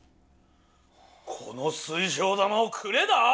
この水晶玉をくれだぁ？